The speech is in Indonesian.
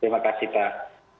terima kasih pak